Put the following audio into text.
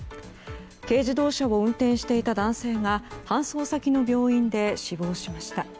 軽自動車を運転していた男性が搬送先の病院で死亡しました。